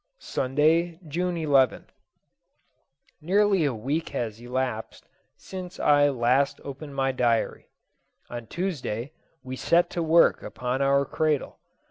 Sunday, June 11th. Nearly a week has elapsed since I last opened my diary. On Tuesday, we set to work upon our cradle.